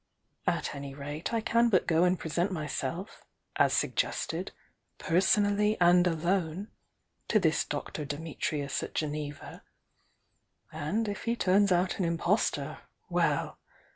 At any rate I can but go and present myself, as sug gested, 'personally and alone' to this Dr. Dimitrius at Geneva,— and if he turns out an impostor, well!